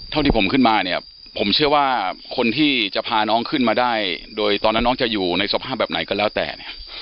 ที่ผมขึ้นมาเนี่ยผมเชื่อว่าคนที่จะพาน้องขึ้นมาได้โดยตอนนั้นน้องจะอยู่ในสภาพแบบไหนก็แล้วแต่เนี่ย